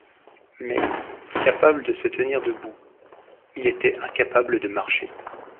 Mais, capable de se tenir debout, il était incapable de marcher.